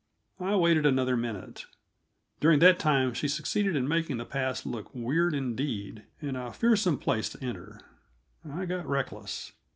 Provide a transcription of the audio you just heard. I waited another minute; during that time she succeeded in making the pass look weird indeed, and a fearsome place to enter. I got reckless.